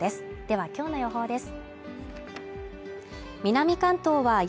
は今日の予報です。